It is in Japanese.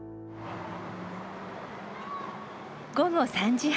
午後３時半。